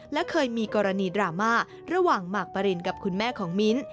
และเคยมีกรณีดราม่าระหว่างหมากปรินกับคุณแม่ของมิ้น